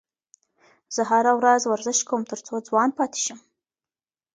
زه هره ورځ ورزش کوم تر څو ځوان پاتې شم.